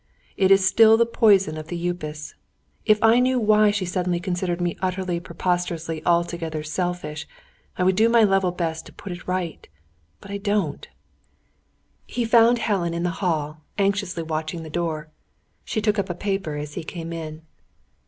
It is still the poison of the Upas. If I knew why she suddenly considered me utterly, preposterously, altogether, selfish, I would do my level best to put it right. But I don't." He found Helen in the hall, anxiously watching the door. She took up a paper, as he came in.